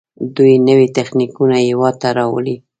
دوی نوي تخنیکونه هیواد ته راوړي.